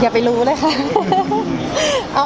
อย่าไปรู้เลยค่ะ